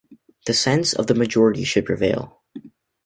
The sense of the majority should prevail.